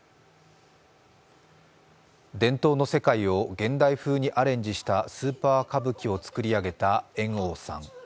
伝統の世界を現代風にアレンジしたスーパー歌舞伎を作り上げた猿翁さん。